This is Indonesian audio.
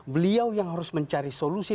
beliau yang harus mencari solusi